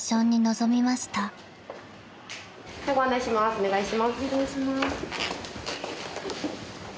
お願いします。